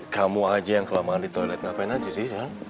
kamu aja yang kelamaan di toilet ngapain aja sih